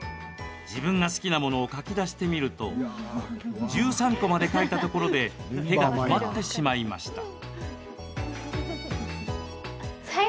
自分が好きなものを書き出してみると１３個まで書いたところで手が止まってしまいました。